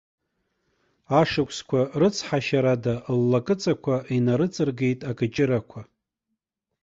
Ашықәсқәа рыцҳашьарада ллакыҵақәа инарыҵыргеит акыҷырақәа.